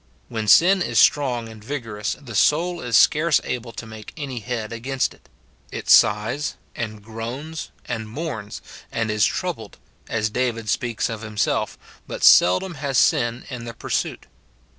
When sin is strong and vigor ous, the soul is scarce able to make any head against it ; it sighs, and groans, and mourns, and is troubled, as David speaks of himself, but seldom has sin in the pur suit.